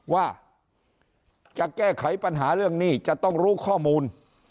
ว่าจะแก้ไขปัญหาเรื่องหนี้จะต้องรู้ข้อมูล